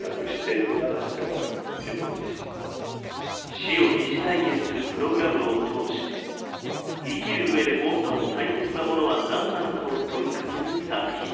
死を疑似体験するプログラムを通して生きる上で最も大切なものは何なのかを問いかける作品です。